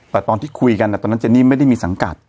แต่ตอนที่คุยกันตอนนั้นเจนี่ไม่ได้มีสังกัด